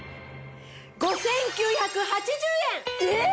５９８０円！えっ！？